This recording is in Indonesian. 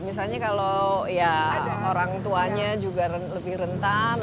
misalnya kalau ya orang tuanya juga lebih rentan